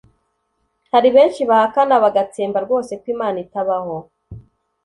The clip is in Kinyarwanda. Hari benshi bahakana bagatsemba rwose ko Imana itabaho